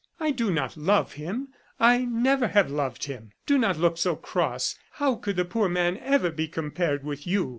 "I do not love him, I never have loved him. Do not look so cross! How could the poor man ever be compared with you?